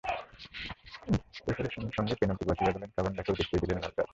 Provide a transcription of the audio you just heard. Referee সঙ্গে সঙ্গেই পেনাল্টির বাঁশি বাজালেন, কাভান্ডাকেও দেখিয়ে দিলেন লাল কার্ড।